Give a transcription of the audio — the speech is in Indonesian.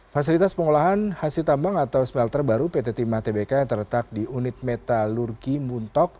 fasilitas pengolahan hasil tambang atau smelter baru pt timah tbk yang terletak di unit metalurgi muntok